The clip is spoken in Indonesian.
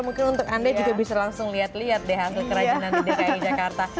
mungkin untuk anda juga bisa langsung lihat lihat deh hasil kerajinan di dki jakarta